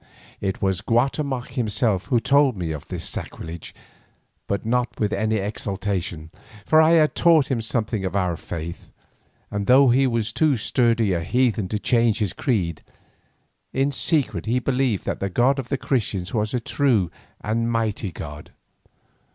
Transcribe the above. It was Guatemoc himself who told me of this sacrilege, but not with any exultation, for I had taught him something of our faith, and though he was too sturdy a heathen to change his creed, in secret he believed that the God of the Christians was a true and mighty God.